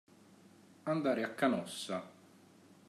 Andare a Canossa.